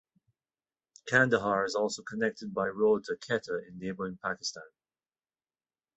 Kandahar is also connected by road to Quetta in neighboring Pakistan.